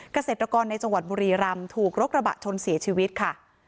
เกษตรกรในจังหวัดบุรีรำถูกรถกระบะชนเสียชีวิตค่ะ